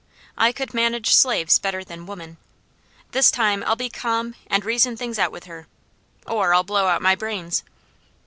I could manage slaves better than women. This time I'll be calm, and reason things out with her, or I'll blow out my brains."